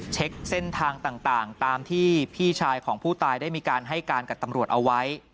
เช็คเส้นทางต่างตามที่พี่ชายของผู้ตายได้มีการให้การกับตำรวจเอาไว้